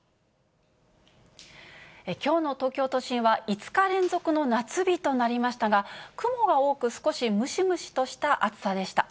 きょうの東京都心は５日連続の夏日となりましたが、雲が多く、少しムシムシとした暑さでした。